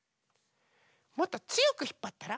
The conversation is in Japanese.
もっとつよくひっぱったら？